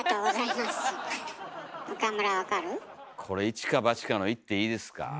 これ一か八かのいっていいですか？